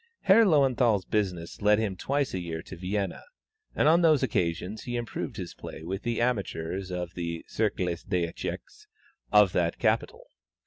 Herr Löwenthal's business led him twice a year to Vienna, and on those occasions he improved his play with the amateurs of the Cercle des Echecs of that capital.